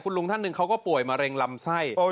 ลุงท่านหนึ่งเขาก็ป่วยมะเร็งลำไส้